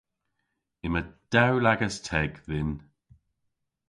Yma dewlagas teg dhyn.